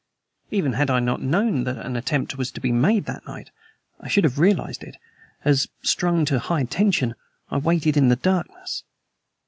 Even had I not known that an attempt was to be made that night, I should have realized it, as, strung to high tension, I waited in the darkness.